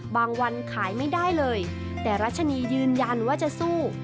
วันขายไม่ได้เลยแต่รัชนียืนยันว่าจะสู้